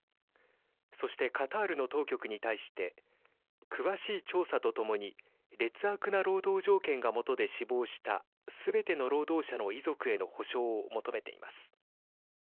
そしてカタールの当局に対して詳しい調査とともに劣悪な労働条件がもとで死亡したすべての労働者の遺族への補償を求めています。